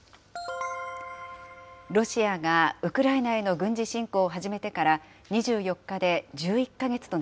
ロシアが、ウクライナへの軍事侵攻を始めてから２４日で１１